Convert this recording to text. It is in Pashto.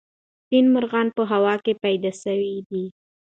سپین مرغان په هوا کې پیدا سوي دي.